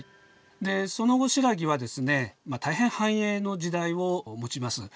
でその後新羅はですね大変繁栄の時代を持ちます。